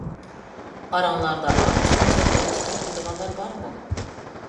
ئاراڭلاردا ئانچە-مۇنچە دو تىكىپ قويىدىغانلار بارمۇ؟